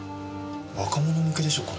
若者向けでしょう？